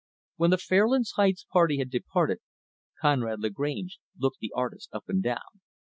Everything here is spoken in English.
When the Fairlands Heights party had departed, Conrad Lagrange looked the artist up and down.